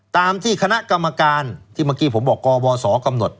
ตามที่คณะกรรมการที่เมื่อกี้ผมบอกกบสกำหนด